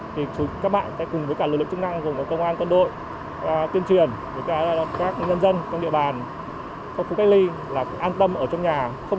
thì các bạn cùng với cả lực lượng chức năng cùng với công an con đội tuyên truyền